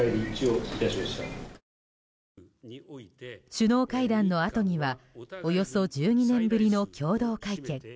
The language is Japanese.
首脳会談のあとにはおよそ１２年ぶりの共同会見。